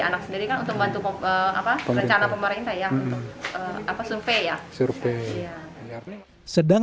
anak sendiri kan untuk membantu apa rencana pemerintah yang apa survei ya survei sedang